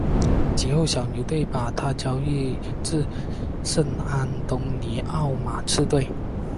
及后小牛队把他交易至圣安东尼奥马刺队。